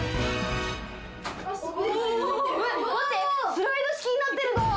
スライド式になってるドア。